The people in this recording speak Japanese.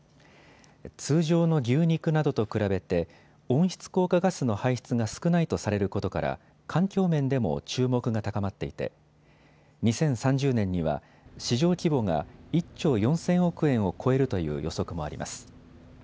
通常の牛肉などと比べて温室効果ガスの排出が少ないとされることから環境面でも注目が高まっていて２０３０年には市場規模が１兆４０００億円を超えるという予測もあります。